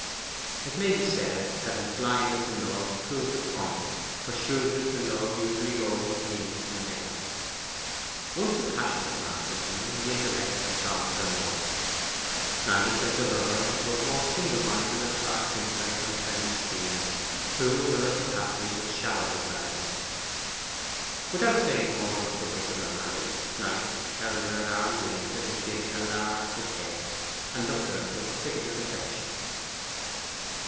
It may be said that his blindness in love proved the point, for shrewdness in love usually goes with meanness in general. Once the passion had mastered him, the intellect had gone for naught. Knight, as a lover, was more single minded and far simpler than his friend Stephen, who in other capacities was shallow beside him. Without saying more on the subject of their marriage, Knight held her at arm's length, as if she had been a large bouquet, and looked at her with critical affection.